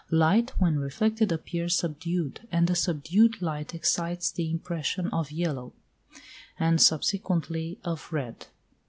Light when reflected appears subdued, and a subdued light excites the impression of yellow, and subsequently of red.